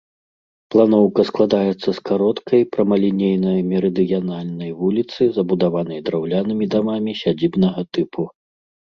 Планоўка складаецца з кароткай, прамалінейнай мерыдыянальнай вуліцы, забудаванай драўлянымі дамамі сядзібнага тыпу.